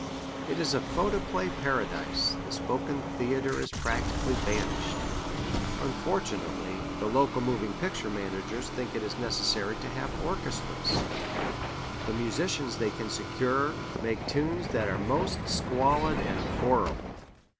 It is a photoplay paradise, the spoken theatre is practically banished. Unfortunately the local moving picture managers think it necessary to have orchestras. The musicians they can secure make tunes that are most squalid and horrible.